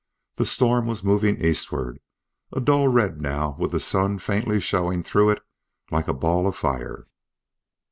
The storm was moving eastward, a dull red now with the sun faintly showing through it like a ball of fire.